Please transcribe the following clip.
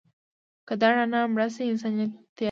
که دا رڼا مړه شي، انسانیت تیاره کېږي.